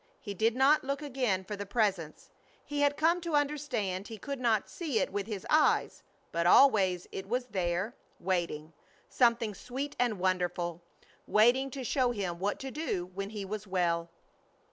He did not look again for the Presence. He had come to understand he could not see it with his eyes; but always it was there, waiting, something sweet and wonderful. Waiting to show him what to do when he was well.